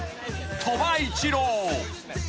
鳥羽一郎］